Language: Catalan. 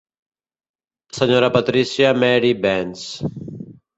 Sra. Patricia Mary Bence.